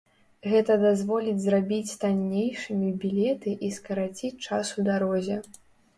Гэта дазволіць зрабіць таннейшымі білеты і скараціць час у дарозе.